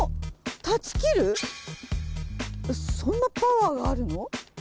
そんなパワーがあるの？